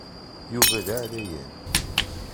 Yuba d aɛlayan.